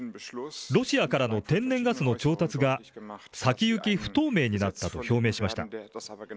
ロシアからの天然ガスの調達が先行き不透明になったと表明しました。